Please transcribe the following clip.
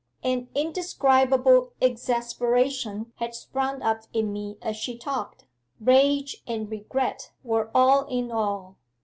'An indescribable exasperation had sprung up in me as she talked rage and regret were all in all.